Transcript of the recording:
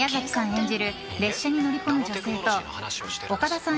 演じる列車に乗り込む女性と岡田さん